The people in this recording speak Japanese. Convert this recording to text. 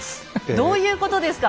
どういうことですか！